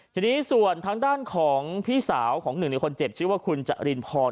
ทีนี้ส่วนทางด้านของพี่สาวของหนึ่งในคนเจ็บชื่อว่าคุณจรินพร